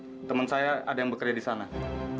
kebetulan teman saya ada yang mencari informasi